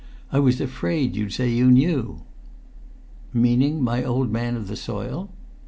"I was afraid you'd say you knew." "Meaning my old man of the soil?"